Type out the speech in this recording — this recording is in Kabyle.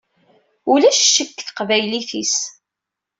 Ulac ccek deg teqbaylit-is.